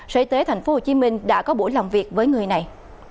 sở y tế tp hcm đã có buổi làm việc với người này